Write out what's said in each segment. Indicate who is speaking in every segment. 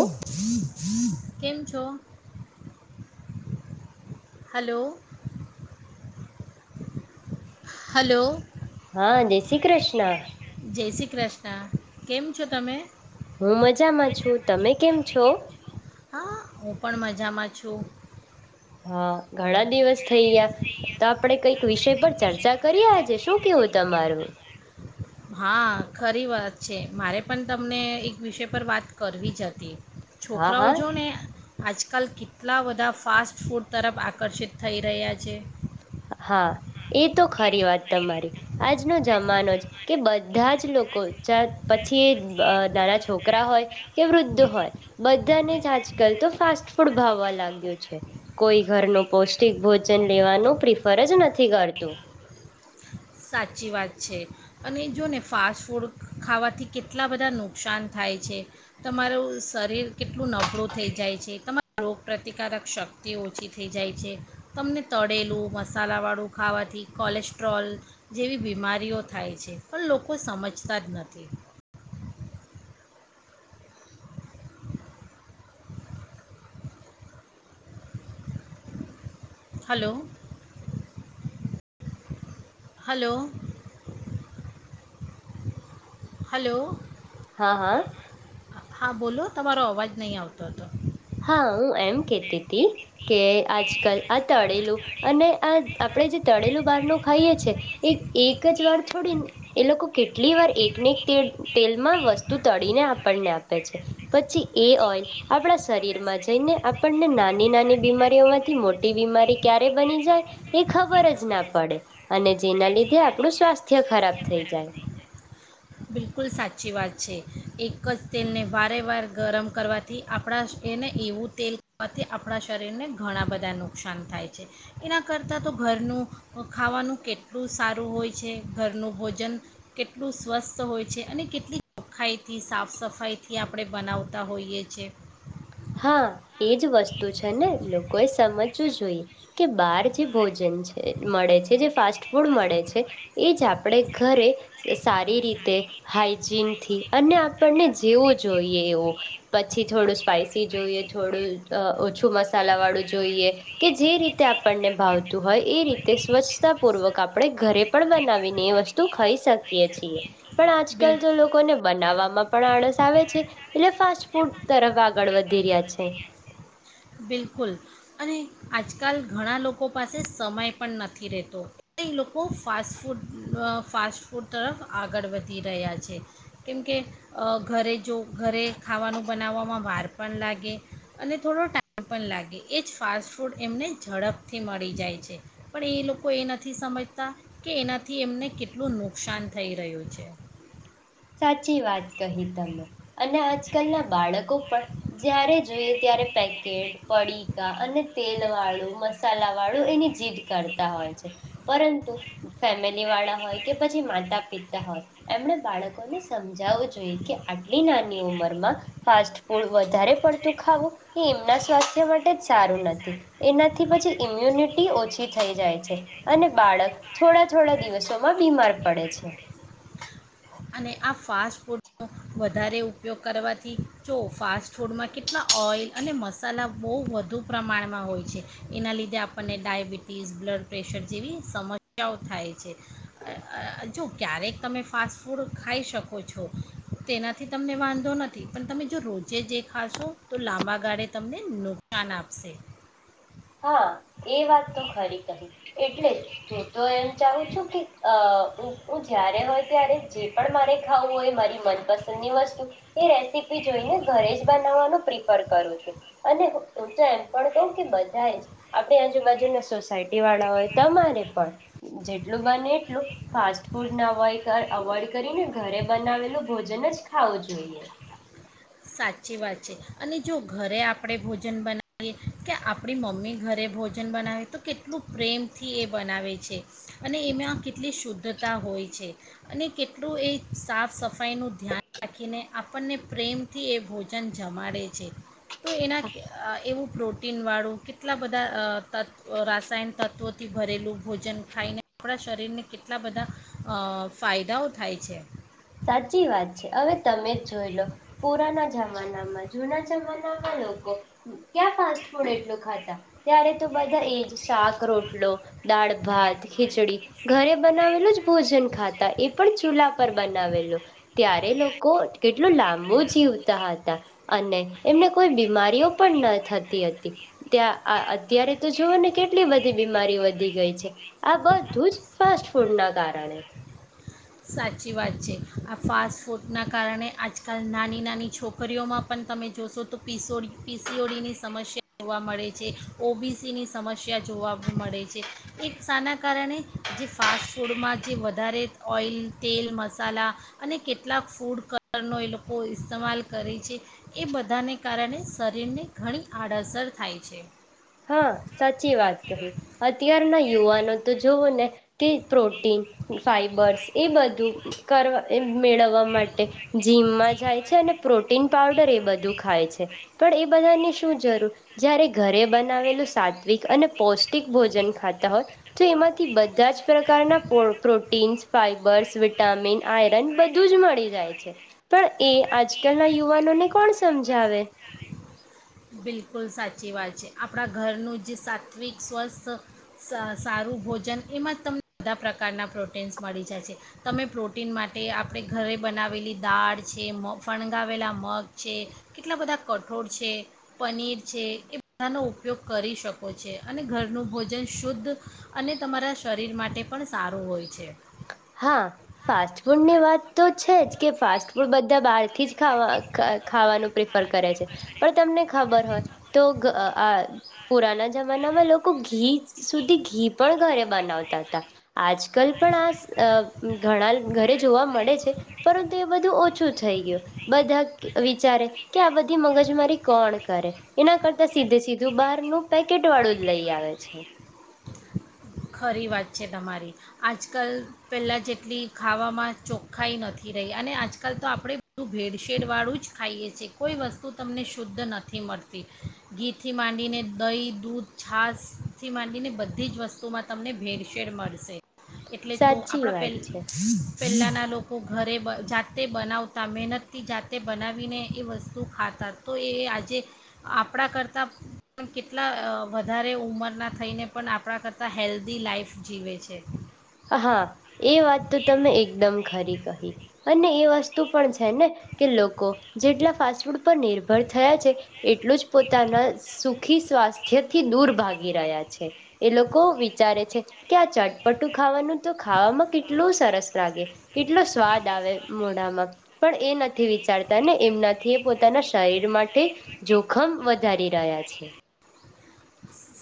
Speaker 1: ઓ
Speaker 2: [unintelligible] કેમ છો hello hello
Speaker 1: હા જય શ્રી કૃષ્ણ
Speaker 2: જય શ્રી કૃષ્ણ કેમ છો તમે
Speaker 1: હું મજામાં છું તમે [inaudible]
Speaker 2: હા હું પણ મજામાં છું
Speaker 1: હા ઘણા દિવસ થઈ ગયા તો આપણે કઈક વિષય પર ચર્ચા કરીએ આજે શું કેવું તમારું
Speaker 2: હા ખરી વાત છે મારે પણ તમને એક વિષય પર વાત કરવી જ હતી
Speaker 1: હા
Speaker 2: છોકરાઓ
Speaker 1: હા
Speaker 2: જો ને આજકાલ કેટલા બધા ફાસ્ટ ફૂડ તરફ આકર્ષિત થઈ રહ્યા છે
Speaker 1: હા એ તો ખરી વાત તમારી આજનો જમાનો છે કે બધા જ લોકો પછી એ નાના છોકરા હોય કે વૃદ્ધ હોય બધાને જ આજકાલ તો ફાસ્ટ ફૂડ ભાવવા લાગ્યું છે કોઈ ઘરનું પૌષ્ટિક ભોજન લેવાનું પ્ર ફરજ નથી કરતું
Speaker 2: સાચી વાત છે અને જો ને ફાસ્ટ ફૂડ ખાવાથી કેટલા બધા નુકસાન થાય છે તમારું શરીર કેટલું નબળું થઈ જાય છે તમારા રોગ પ્ર્રતિકારક શક્તિ ઓછી થઈ જાય છે તમને તળેલું મસાલાવાળું ખાવાથી કોલેસ્ટ્રોલ જેવી બીમારીઓ થાય છે પણ લોકો સમજતા જ નથી હલો હલો હલો
Speaker 1: હા હા
Speaker 2: હા બોલો તમારો અવાજ નહીં આવતો હતો
Speaker 1: હા હું એમ કહેતી હતી કે આજકાલ આ તળેલું અને આ આપણે જે તળેલું બહારનું ખાઈએ છે એ એક જ વાર થોડી એ લોકો કેટલી વાર એકને એક તેલમાં વસ્તુ તળીને આપણને આપે છે પછી એ ઓઈલ આપણા શરીર માં જઈને આપણને નાની નાની બીમારીઓમાંથી મોટી બીમારી ક્યારે બની જાય એ ખબર જ ના પડે અને જેના લીધે આપણું સ્વાસ્થ્ય ખરાબ થઈ જાય
Speaker 2: બિલકુલ સાચી વાત છે એક જ તેલને વારે વાર ગરમ કરવાથી આપણા એને એવું તેલ ખાવાથી આપણા શરીરને ઘણા બધા નુકસાન થાય છે એના કરતાં તો ઘરનું ખાવાનું કેટલું સારું હોય છે ઘરનું ભોજન કેટલું સ્વસ્થ હોય છે અને કેટલી ઓોખાઈથી સાફ સફાઈથી આપણે બનાવતા હોઈએ છે
Speaker 1: હા એજ વસ્તુ છે ને લોકો એ સમજ જો કે બાર જે ભોજન છે મળે છે જે ફાસ્ટ ફૂડ મળે છે એ આપ ઘરે સારી રીતે હજીનથી અને આપણને જેવું જોઈએ એવું પછી થોડું સ્પ જોઈએ થોડું ઓછું મસાલા વાળું જોઈએ કે જે રીતે આપણને ભાવતું હોય એ રીતે સ્વચ્છતા પૂર્વક આપણે ઘરે પણ બનાવીને એ વસ્તુ ખાઈ શકીએ છીએ પણ
Speaker 2: બિલ
Speaker 1: આજકાલ તો લોકોને બનાવવામાં પણ આડસ આવે છે એટલે ફ ફુડ તરવા આગળ વધી રહ્યા છે.
Speaker 2: બિલકુલ અને આજકાલ ઘણા લોકો પાસે સમય પણ નથી રહેતો એ લોકો ફાસ્ટ ફૂડ ફાસ્ટ ફૂડ તરફ આગળ વધી રહ્યા છે કેમકે ઘરે જો ઘરે ખાવાનું બનાવવામાં વાર પણ લાગે અને થોડો ટાઈ મ પણ લાગે એ જ ફાસ્ટફૂડ એમને ઝડપથી મળી જાય છે પણ એ લોકો એ નથી સમજતા કે એનાથી એમને કેટલું નુકસાન થઈ રહ્યું છે.
Speaker 1: સાચી વાત કહી તમે, અને આજકલ ના બાળકો પણ જ્યારે જોઈએ ત્યારે પેકેટ, પડીકા અને તેલ વાળું, મસાલા વાળું એની જીદ કરતા હોય છે, પરંતુ ફેમે લિવાળા હોય કે પછી માતા પીતા હો, ય એમણે બાળક ને સમજાવવું જોઈએ કે આટલી નાની ઉંમરમાં ફાસ્ટ ફૂડ વધારે પડતું ખાવું, એ એમના સ્વાસ્થ્ય માટે જ સારું નથી, એનાથી પછી ઈમ્યુનિટી ઓછી થઈ જાય છે, અને બાળક થોડા થોડા દિવસોમાં બીમાર પડે છે.
Speaker 2: અને આ ફાસ્ટ ફૂડનો વધારે ઉપયોગ કરવાથી જો ફાસ્ટ ફૂડમાં કેટલા ઓઇલ અને મસાલા બહુ વધુ પ્રમાણમાં હોય છે, એના લીધે આપણને ડાયબિટીસ, બ્લડ પ્રેશર જેવી સમસ્યાઓ થાય છે. અ અ જો ક્યારેક તમે ફાસ્ટ ફૂડ ખાઈ શકો છો, તેનાથી તમને વાંધો નથી પણ તમે જો રોજે જે ખાશો, તો લાંબા ગાળે તમને નુકસાન આપશે.
Speaker 1: હ, એ વાત તો ખરી કહી. એટલે હું તો એમ ચાહું છું કે અ ઉ ઉ જ્યારે હોય ત્યારે જે પણ મારે ખાવું હોય મારી મનપસંદની વસ્તુ એ રેસીપી જોઈને ઘરે જ બનાવવાનું પ્રિ ફર કરું છું, અને ઉ તો એમ પણ કહું કે બ જાયે જ આપડે આજુબાજુ ને સોસાય ટી વાળાઓ, તમારે પણ જેટલું બને એટલું, ફાસ્ટ ફૂડ ને અવોય અવોઈડ કરીને ઘરે બનાવેલું ભોજન જ ખાવું જોઈએ.
Speaker 2: સાચી વાત છે, અને જો ઘરે આપણે ભોજન બનાવીએ કે આપણી મમ્મી ઘરે ભોજન બનાવીએ, તો કેટલું પ્રેમથી એ બનાવે છે, અને એમાં કેટલી શુદ્ધતા હોય છે, અને કેટલું એ સાફ સફાઈનું ધ્યાન રાખીને આપણને પ્રેમ થી એ ભોજન જમાડે છે, તો એના અ એવું પ્રોટીનવાળું કેટલા બધા અ તત્વ રાસાયણ તત્વોથી ભરેલું ભોજન ખાઈને આપણા શરીરને કેટલા બધા અ ફાયદાઓ થાય છે.
Speaker 1: સાચી વાત છે, હવે તમે જ જોઈ લો પુરાના જમાનામાં જુના જમાનામાં લોકો ક્યાં ફાસ્ટ ફૂડ એટલું ખાતા, ત્યારે તો બધા એજ શાક રોટલો, દાળ ભાત, ખિચડી ઘરે બનાવેલુ જ ભોજન ખાતા, એ પણ ચૂલા પર બના વેલુ, ત્યારે લોકો કેટલું લાંબુ જીવતા હતા. અને એમને કોઈ બીમારીઓ પણ ન થતી અતી, ત્યાં અ આ અત્યારે તો જોઓને કેટલી બધી બીમારી વધી ગઈ છે, આ બધું જ ફાસ્ટ ફૂડ ના કારણે.
Speaker 2: સાચી વાત છે, આ ફાસ્ટ ફૂડના કારણે આજકાલ નાની નાની છોકરીઓમાં પણ તમે જોશો તો પીસો પી સી ઓ ડીની સમસ્યા જોવા મળે છે, ઓ બી સીની સમસ્યા જોવા મળે છે, એક સાના કારણે, જે ફાસ્ટ ફૂડમાં જે વધારે ઓઇલ, તેલ, મસાલા અને કેટલાક ફૂડ કલરનો એ લોકો ઇસ્માલ કરે છે એ બધાને કારણે શરીરને ઘણી આડઅસર થાય છે.
Speaker 1: હા સાચી વાત કહી. અત્યારના યુવાનો તો જોવો ને કે પ્રોટીન, ફાઈબર્સ એ બધું અ કર મેળવવા માટે જીમમાં જાય છે અને પ્રોટીન પાવડર એ બધું ખાય છે, પણ એ બધાની શું જરૂર, જ્યારે ઘરે બ નાવેલું સાત્વિક અને પૌષ્ટિક ભોજન ખાતા હોય, તો એમાંથી બધા જ પ્રકારના પોર્ટ પ્રોટીન્સ, ફાઈબર્સ, વિટામિન, આયરન બધું જ મળી જાય છે, પણ એ આજકલના યુવાનોને કોણ સમજાવે?
Speaker 2: બિલકુલ સાચી વાત છે. આપણા ઘરનું જ જે સાત્વિક, સ્વસ્થ, સારું ભોજન એમાં જ તમને બધા પ્રકારના પ્રોટીન્સ મળી જાય છે. તમે પ્રોટીન માટે આપણે ઘરે બનાવેલી દાળ છે, મ ફણગાવેલા મગ છે, કેટલા બધા કઠોળ છે પનીર છે, એ બધાનો ઉપયોગ કરી શકો છે, અને ઘરનું ભોજન શુદ્ધ અને તમારા શરીર માટે પણ સારું હોય છે.
Speaker 1: હા, ફાસ્ટ ફૂડની વાત તો છે જ કે ફાસ્ટ ફૂડ બધા બહારથી જ ખાવા અ ખ ખાવાનું પ્રિ ફર કરે છે, પણ તમને ખબર હોય, તો ગ અ આ પુરાના જમાનામાં લોકો ઘી સુધી ઘી પણ ઘરે બનાવતા તા, આજકાલ પણ આસ અ ઘણા ઘરે જોવા મળે છે પરંતુ એ બધું ઓછું થઈ ગયું બધા વિચારે કે આ બધી મગજમારી કોણ કરે એના કરતા સીધે સીધું બહારનું પેકેટ વાળું જ લઈ આવે છે
Speaker 2: ખરી વાત છે તમારી આજકાલ પહેલાં જેટલી ખાવામાં ચોખ્ખાઈ નથી રહી અને આજકાલ તો આપણે બધું બેડશેડ વાળું જ ખાઈએ છીએ કોઈ વસ્તુ તમને શુદ્ધ નથી મળતી ઘીથી માંડીને દહીં દૂધ છશથી માંડીને બધી જ વસ્તુ તોમાં તમને ભેળસેેળ મળશે એટલે તો
Speaker 1: સાચી
Speaker 2: આપણા
Speaker 1: વાત છે
Speaker 2: પે પહેલાંના લોકો ઘરે જાતે બનાવતા મહેનતથી જાતે બનાવીને એ વસ્તુ ખાતા તો એ આજે આપણા કરતાં પણ કેટલા વધારે ઉંમરના થઈને પણ આપણા કરતાં તા હેલ્ધી લાઈફ જીવે છે
Speaker 1: હા એ વાત તો તમે એકદમ ખરી કહી અને એ વ વસ્તુ પણ છે ને કે લોકો જેટલા ફાસ્ટફૂડ પર નિર્ભર થયા છે એટલું જ પોતાના સુખ થી શ્વાસ થી દૂર ભાગી રહ્યા છે એ લોકો વિચારે છે ક્યા ચટપટ મોટું ખાવાનું તો ખાવામાં કેટલું સરસ લાગે કેટલો સ્વાદ આવે મોઢામાં પણ એ નથી વિચારતા ને એમનાથી એ પોતાના શરીર માટે જોખમ વધારી રહ્યા છે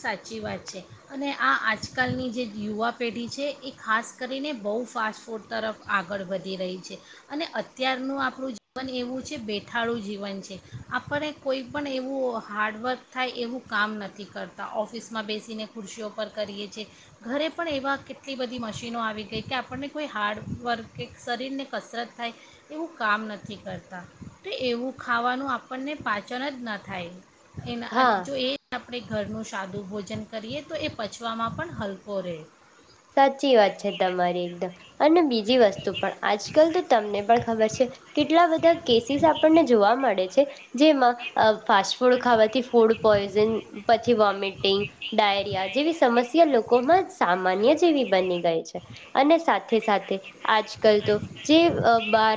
Speaker 2: સાચી વાત છે અને આ આજકાલની જે યુવા પેઢી છે એ ખાસ કરીને બહુ ફાસ્ટ ફૂડ તરફ આગળ વધી રહી છે અને અત્યારનું આપણું જીવન એવું છે બેઠાળું જીવન છે આપણને કોઈ પણણ એવું હાર્ડવર્ક થાય એવું કામ નથી કરતું ઓફિસમાં બેસીને ખુરશીઓ પર કરીએ છીએ ઘરે પણ એવા કેટલી બધી મશીનો આવી ગઈ કે આપણને કોઈ હાર્ડવર્ક કે શરીરને કસરત થાય એવું કામ નથી કરતા તો એવું ખાવાનું આપણને પાચન જ ન થાય એના એને
Speaker 1: હા
Speaker 2: જો એ આપણે ઘર [unintelligible] સાદું ભોજન કરીએ તો એ પચવામાં પણ હલકો રહે
Speaker 1: સાચી વાત છે તમારી એકદમ અને બીજી વસ્તુ પણ આજકાલ તો તમને પણ ખબર છે કેટલા બધા કેસીસ આપણને જોવા મળે છે જેમાં ફાસ્ટ ફૂડ ખાવાથી ફૂડ પોઈઝન પછી વોમિટ ડાયરિયા જેવી સમસ્યા લોકોમાં સામાન્ય જેવી બની છે અને સાથે સાથે આજકાલ તો જે અ બાર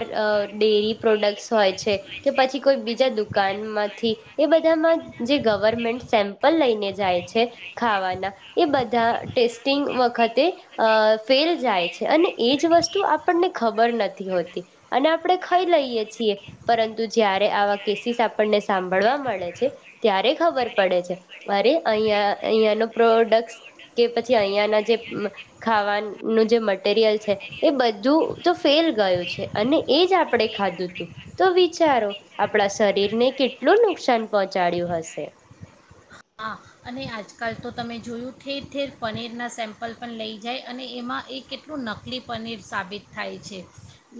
Speaker 1: ડેરી પ્રોડક્ટસ હોય છે કે પછી કોઈ બીજા દુકાનમાંથી એ બધામાં જે ગવર્મેન્ટ સેમ્પલ લઈને જાય છે ખાવાના એ બધા ટેસ્ટિંગ વખત તે અ ફેલ જાય છે અને એ જ વસ્તુ આપણને ખબર નથી હોતી અને આપણે ખઈ લઈએ છીએ પરંતુ જયારે આવા કેસીિસ આપણને સાંભળવા મળે છે ત્યારે ખબર પડે છે અરે અહીંયા અહીિયાંયાનો પ્રોડક્ટ કે પછી અહિયાયાના જે ખાવાનું જે મટીરિયલ છે એ બધું તો ફેલ ગયું છે અને એ જ આપણે ખાધું તું તો વિચારો આપણા શરીરને કેટલું નુકસાન પહોંચાડ્યું હશે
Speaker 2: હા અને આજકાલ તો તમે જોયું ઠેર ઠેર પનીરના સેમ્પલ પણ લઈ જાય અને એમાં એ કેટલું નકલી પનીર સાબિત થાય છે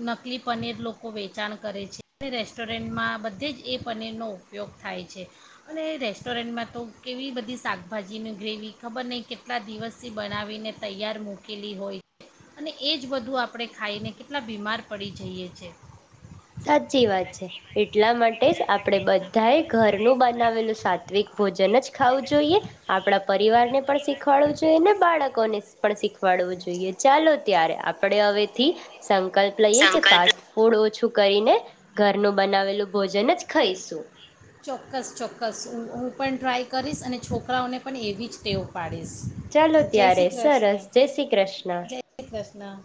Speaker 2: નકલી પનીર લોકો વેચાણ કરે છે અને રેસ્ટોરન્ટમાં બધે જ એ પનીરનો ઉપયોગ થાય છે અને રેસ્ટોરન્ટમાં તો કેવી બધી શાકભાજીની ગ્રેવી ખબર નહીં કેટલા દિવસથી બનાવીને તૈયાર મૂકેલી હોય છે અને એ જ બધું આપણે ખાઈને કેટલા બીમાર પડી જઈએ છે
Speaker 1: સાચી વાત છે એટલા માટે જ આપડે બધાએ ઘરનું બનાવેલું સાત્વિક ભોજન જ ખાવું જોઈએ આપણા પરિવારને પણ શીખવાડવું જોઈએ ને બાળકોને પણ શીખવાડવું જોઈએ ચાલો ત્યારે આપડે હવેથી સંકલ્પ લઈએ કે
Speaker 2: સંકલ્પ
Speaker 1: ફાસ્ટ ફૂડ ઓછું કરીને ઘરનું બનાવેલું ભોજન જ ખઈશું
Speaker 2: ચોક્કસ ચોક્કસ હું હું પણ ટ્રાય કરીશ અને છોકરાઓને પણ એવી જ ટેવ પાડીશ
Speaker 1: ચાલો
Speaker 2: જય
Speaker 1: ત્યારે
Speaker 2: શ્રી
Speaker 1: સરસ
Speaker 2: કૃષ્ણ
Speaker 1: જય શ્રી કૃષ્ણ
Speaker 2: જય શ્રી કૃષ્ણ